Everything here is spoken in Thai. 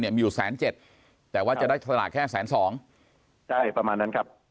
มีอยู่๑๗๐๐๐๐แต่ว่าจะได้สลากแค่๑๐๒๐๐๐คนใช่ประมาณนั้นครับ